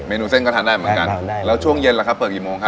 เมนูเส้นก็ทานได้เหมือนกันแล้วช่วงเย็นเปิดกี่โมงครับ